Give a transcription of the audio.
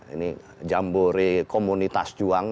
ini jambore komunitas juang